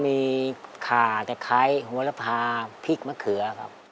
มีขาตะไคร้หัวระพาพริกมะเขือครับ